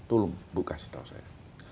tolong bu kasih tahu saya